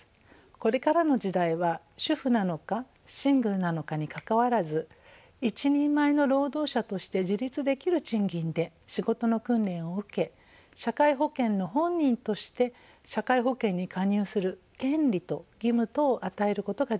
これからの時代は主婦なのかシングルなのかにかかわらず一人前の労働者として自立できる賃金で仕事の訓練を受け社会保険の本人として社会保険に加入する権利と義務とを与えることが重要です。